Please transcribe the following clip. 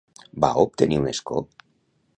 Va obtenir un escó?